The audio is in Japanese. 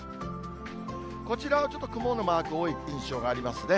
こちらはちょっと雲のマーク多い印象がありますね。